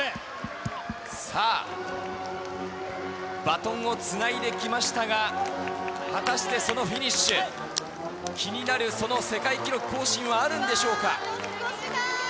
さあ、バトンをつないできましたが、果たしてそのフィニッシュ、気になるその世界記録更新はあるんでしょうか。